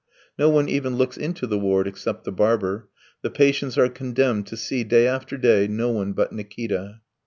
No one even looks into the ward except the barber. The patients are condemned to see day after day no one but Nikita.